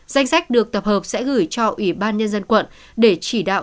danh sách được tập hợp sẽ gửi cho ủy ban nhân dân quận để chỉ đạo